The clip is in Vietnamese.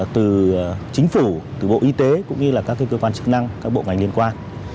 từ chính phủ bộ y tế các cơ quan chức năng các bộ ngành liên quan